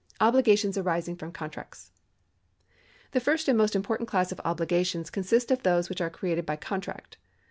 Obiig^ations arising from Contracts. The first and most important class of obligations consists of those which are created by contract.